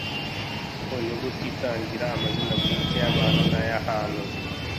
Ku nyuguti itangira amazina bwite y’abantu n’aya’ahantu